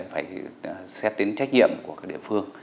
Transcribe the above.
phải xét đến trách nhiệm của các địa phương